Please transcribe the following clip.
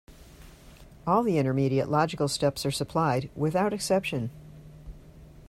All the intermediate logical steps are supplied, without exception.